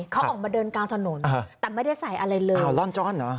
เขาออกมาเดินกลางถนนแต่ไม่ได้ใส่อะไรเลยเอาร่อนจ้อนเหรอ